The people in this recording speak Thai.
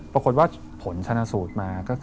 ปรากฏว่าผลชนะสูตรมา